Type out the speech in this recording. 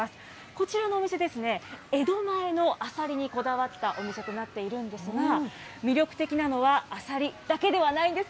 こちらのお店ですね、江戸前のあさりにこだわったお店となっているんですが、魅力的なのはあさりだけではないんです。